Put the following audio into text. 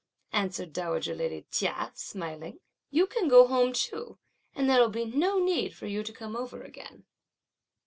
answered dowager lady Chia, smiling; "you can go home too, and there will be no need for you to come over again!"